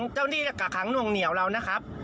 เจ้านี่กระขั้งนวงเหนียวเรานะครับ